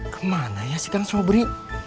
kemana ya sekarang sobri